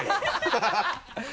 ハハハ